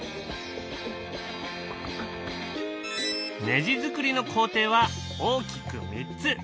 ネジ作りの工程は大きく３つ。